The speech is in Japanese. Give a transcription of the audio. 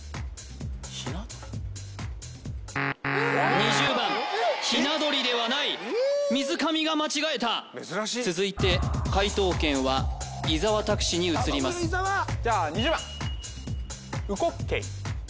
２０番ヒナドリではない水上が間違えた珍しい続いて解答権は伊沢拓司に移ります頼むぞ伊沢！